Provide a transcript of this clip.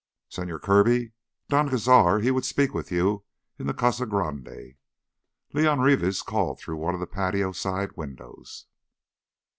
"Señor Kirby, Don Cazar—he would speak with you in the Casa Grande," León Rivas called through one of the patio side windows.